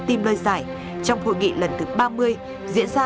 tìm lời giải trong hội nghị lần thứ ba mươi diễn ra